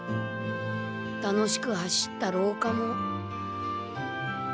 楽しく走った廊下も。